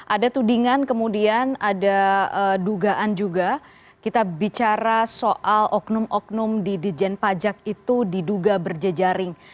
ada tudingan kemudian ada dugaan juga kita bicara soal oknum oknum di dijen pajak itu diduga berjejaring